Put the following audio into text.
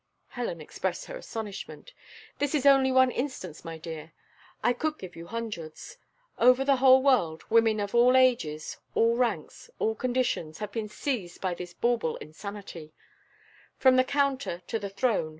Helen expressed her astonishment. "This is only one instance, my dear; I could give you hundreds. Over the whole world, women of all ages, all ranks, all conditions, have been seized with this bauble insanity from the counter to the throne.